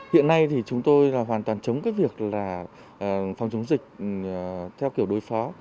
hiện nay thì chúng tôi là hoàn toàn chống cái việc là phòng chống dịch theo kiểu đối phó